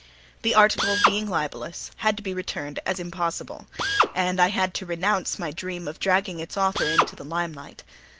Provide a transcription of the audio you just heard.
The article, being libelous, had to be returned as impossible; and I had to renounce my dream of dragging its author into the limelight.